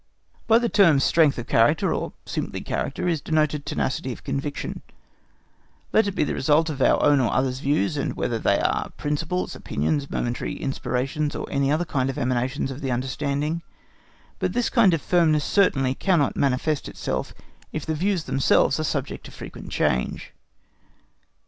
By the term strength of character, or simply character, is denoted tenacity of conviction, let it be the result of our own or of others' views, and whether they are principles, opinions, momentary inspirations, or any kind of emanations of the understanding; but this kind of firmness certainly cannot manifest itself if the views themselves are subject to frequent change.